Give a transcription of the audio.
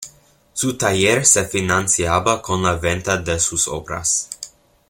Su taller se financiaba con la venta de sus obras.